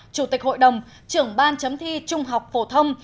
chủ tịch hội đồng trưởng ban chấm thi trung học phổ thông